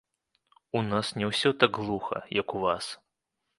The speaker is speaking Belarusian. У нас не ўсё так глуха, як у вас.